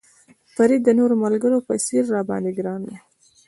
فرید د نورو ملګرو په څېر را باندې ګران و.